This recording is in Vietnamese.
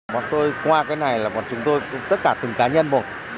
bọn tôi qua cái này là bọn chúng tôi tất cả từng cá nhân một